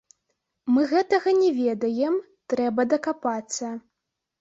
Мы гэтага не ведаем, трэба дакапацца.